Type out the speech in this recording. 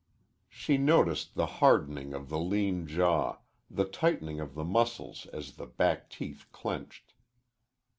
She noticed the hardening of the lean jaw, the tightening of the muscles as the back teeth clenched.